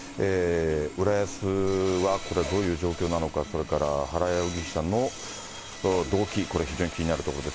浦安はこれはどういう状況なのか、原容疑者の動機、これ非常に気になるところです。